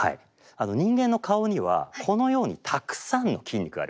人間の顔にはこのようにたくさんの筋肉があります。